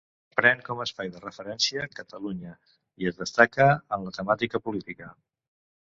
Pren com a espai de referència Catalunya i es destaca en la temàtica política.